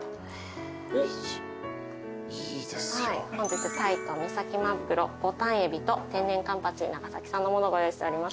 本日タイと三崎マグロボタンエビと天然カンパチ長崎産のものをご用意しております。